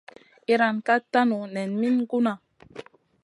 Iyran ka tanu nen min gunna.